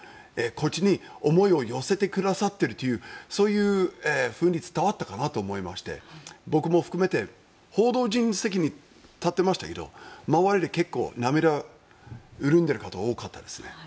こっちに思いを寄せてくださっているというそういうふうに伝わったかなと思いまして僕も含めて報道陣の席に立ってましたけど周りで結構涙うるんでいる方が多かったです。